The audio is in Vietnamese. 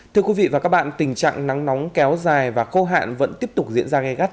thưa quý vị và các bạn tình trạng nắng nóng kéo dài và khô hạn vẫn tiếp tục diễn ra gai gắt